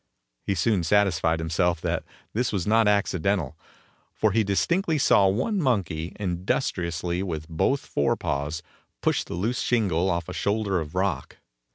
He soon satisfied himself that this was not accidental, for he distinctly saw one monkey, industriously with both forepaws, push the loose shingle off a shoulder of rock.